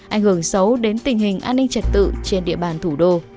ảnh hưởng xấu đến tình hình an ninh trật tự trên địa bàn thủ đô